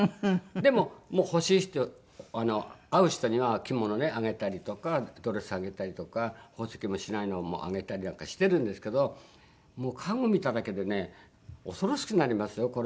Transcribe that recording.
でももう欲しい人会う人には着物ねあげたりとかドレスあげたりとか宝石もしないのはもうあげたりなんかしてるんですけどもう家具見ただけでね恐ろしくなりますよ